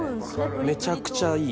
めちゃくちゃいい！